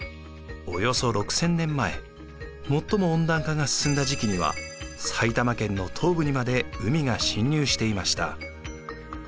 およそ６，０００年前最も温暖化が進んだ時期には埼玉県の東部にまで海が侵入していました。